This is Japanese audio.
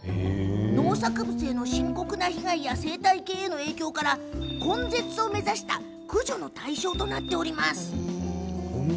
農作物への深刻な被害や生態系への影響から根絶を目指した駆除の対象となっております。